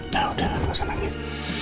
ya udah jangan nangis